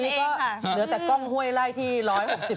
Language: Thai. ตอนนี้จะเหลือแต่กล้องห้วยไล่ที่